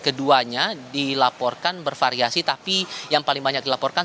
keduanya dilaporkan bervariasi tapi yang paling banyak dilaporkan